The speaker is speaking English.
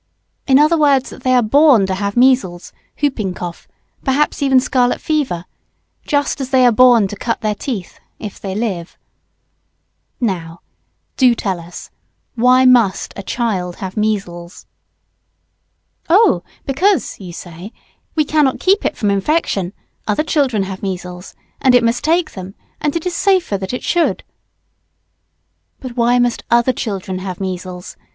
in other words, that they are born to have measles, hooping cough, perhaps even scarlet fever, just as they are born to cut their teeth, if they live. Now, do tell us, why must a child have measles? Oh because, you say, we cannot keep it from infection other children have measles and it must take them and it is safer that it should. But why must other children have measles?